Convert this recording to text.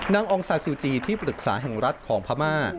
องซาซูจีที่ปรึกษาแห่งรัฐของพม่า